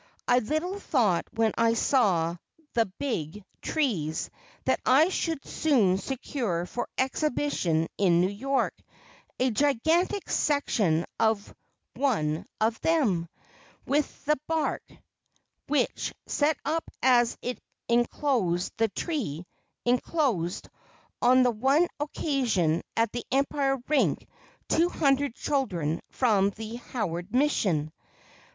I little thought when I saw the big trees that I should soon secure for exhibition in New York a gigantic section of one of them, with the bark, which, set up as it enclosed the tree, enclosed, on one occasion, at the Empire Rink, two hundred children from the Howard Mission.